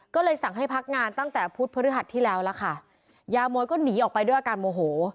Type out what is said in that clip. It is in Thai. ก็เลยสั่งให้พักงานตั้งแต่พุธพฤหัสที่แล้วล่ะค่ะยามวยก็หนีออกไปด้วยอาการโมโห